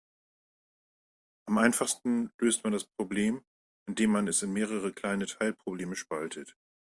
Am einfachsten löst man das Problem, indem man es in mehrere kleine Teilprobleme spaltet.